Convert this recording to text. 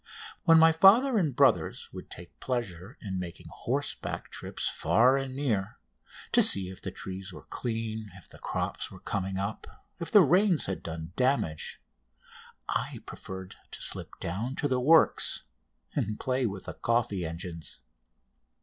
When my father and brothers would take pleasure in making horseback trips far and near, to see if the trees were clean, if the crops were coming up, if the rains had done damage, I preferred to slip down to the Works and play with the coffee engines.